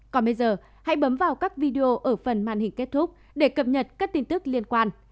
còn bây giờ hãy bấm vào các video ở phần màn hình kết thúc để cập nhật các tin tức liên quan